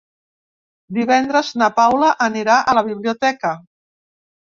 Divendres na Paula anirà a la biblioteca.